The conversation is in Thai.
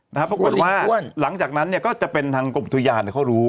ปรากฏว่าหลังจากนั้นเนี่ยก็จะเป็นทางกรมอุทยานเขารู้